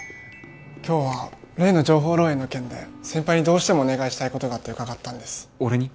今日は例の情報漏洩の件で先輩にどうしてもお願いしたいことがあって伺ったんです俺に？